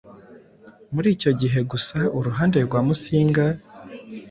Muri icyo gihe gusa uruhande rwa Musinga